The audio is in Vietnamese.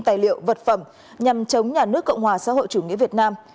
tài liệu vật phẩm nhằm chống nhà nước cộng hòa xã hội chủ nghĩa việt nam